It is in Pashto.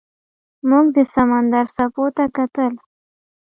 موږ د سمندر څپو ته کتل.